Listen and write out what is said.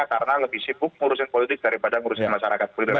karena lebih sibuk ngurusin politik daripada ngurusin masyarakat